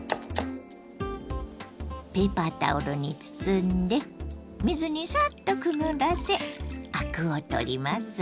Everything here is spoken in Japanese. ペーパータオルに包んで水にサッとくぐらせアクを取ります。